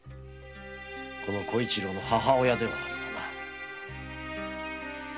この小一郎の母親ではあるがな。